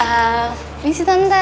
ah ini si tante